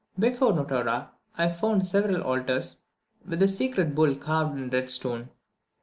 Before Notara I found several altars, with the sacred bull carved in red stone.